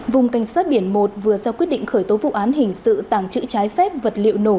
vùng cảnh sát biển một vừa ra quyết định khởi tố vụ án hình sự tàng trữ trái phép vật liệu nổ